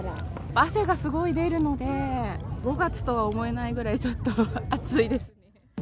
汗がすごい出るので、５月とは思えないぐらい、ちょっと、暑いです。